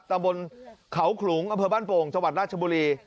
ตามบนเขาขลุงอบ้านโป่งจรัชบุรี